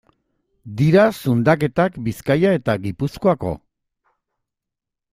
Dira zundaketak Bizkaia eta Gipuzkoako.